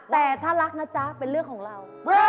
แต่ถ้ารักนะจ๊ะเป็นเรื่องของเรา